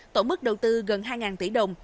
tổng mức đầu tư gần hai tỷ đồng